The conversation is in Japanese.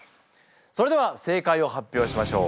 それでは正解を発表しましょう。